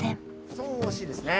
そう惜しいですね。